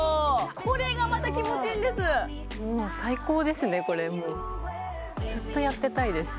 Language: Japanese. これがまた気持ちいいんです最高ですねこれずっとやってたいです